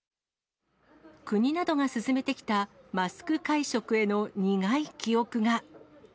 国などが進めてきたマスク会食への苦い記憶が。